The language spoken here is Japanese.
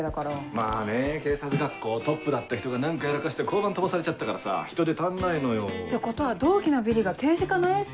まぁね警察学校トップだった人が何かやらかして交番飛ばされちゃったからさ人手足んないのよ。ってことは同期のビリが刑事課のエース？